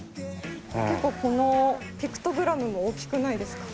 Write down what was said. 結構このピクトグラムも大きくないですか？